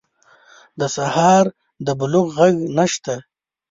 د سهار د بلوغ ږغ نشته